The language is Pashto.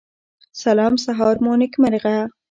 سلام سهار مو نیکمرغه